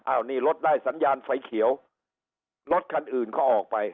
อันนี้รถได้สัญญาณไฟเขียวรถคันอื่นเขาออกไป